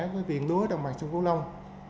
với viện lúa đồng bằng sông củ long